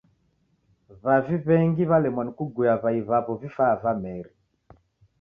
W'avi w'engi w'alemwa ni kuguya w'ai w'aw'o vifaa va meri.